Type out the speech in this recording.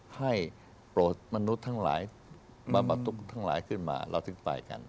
ให้โปรดมนุษย์ทั้งหลายบาปะตุ๊กทั้งหลายขึ้นมาเราถึงไปกัน